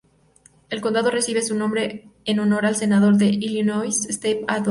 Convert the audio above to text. El condado recibe su nombre en honor al Senador de Illinois Stephen A. Douglas.